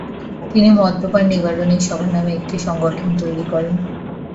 তিনি মদ্যপান নিবারণী সভা’ নামে একটি সংগঠন তৈরি করেন।